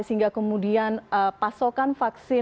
sehingga kemudian pasokan vaksin